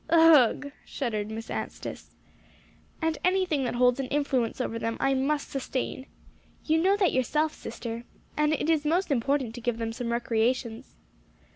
"Ugh!" shuddered Miss Anstice. "And anything that holds an influence over them, I must sustain. You know that yourself, sister. And it is most important to give them some recreations."